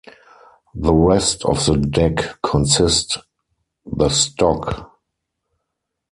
The rest of the deck consist the stock.